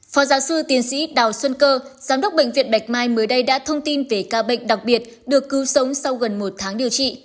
phó giáo sư tiến sĩ đào xuân cơ giám đốc bệnh viện bạch mai mới đây đã thông tin về ca bệnh đặc biệt được cứu sống sau gần một tháng điều trị